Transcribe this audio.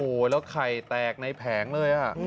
โอ้โหแล้วไข่แตกในแผงเลย